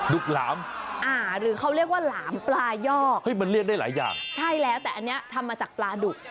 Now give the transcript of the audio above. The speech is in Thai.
กหลามอ่าหรือเขาเรียกว่าหลามปลายอกเฮ้ยมันเรียกได้หลายอย่างใช่แล้วแต่อันนี้ทำมาจากปลาดุก